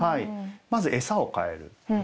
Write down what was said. まず餌を変える。